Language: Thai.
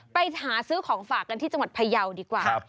ไปหาซื้อของฝากกันที่จังหวัดพยาวดีกว่า